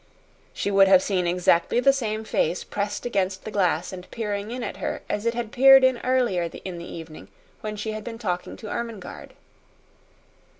She would have seen exactly the same face pressed against the glass and peering in at her as it had peered in earlier in the evening when she had been talking to Ermengarde.